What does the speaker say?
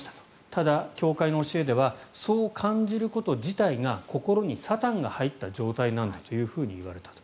ただ、教会の教えではそう感じること自体が心にサタンが入った状態なんだというふうに言われたと。